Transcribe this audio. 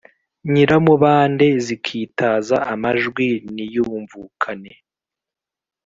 Nyiramubande zikitaza amajwi niyumvukane